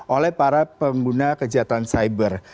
oleh para pengguna kejahatan cyber